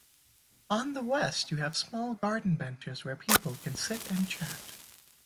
On the west you have small garden benches where people can sit and chat.